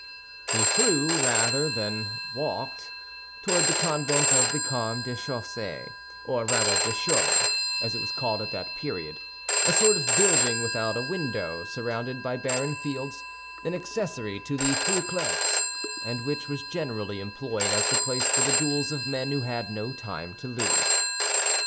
He flew, then, rather than walked, toward the convent of the Carmes Déchaussés, or rather Deschaux, as it was called at that period, a sort of building without a window, surrounded by barren fields—an accessory to the Preaux Clercs, and which was generally employed as the place for the duels of men who had no time to lose.